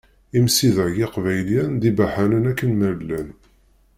Imsidag iqbayliyen d ibaḥanen akken ma llan.